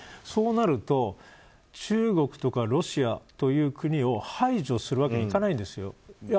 そうなると中国とかロシアという国を排除するわけにはいかないんですよ。